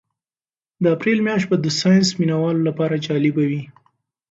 د اپریل میاشت به د ساینس مینه والو لپاره جالبه وي.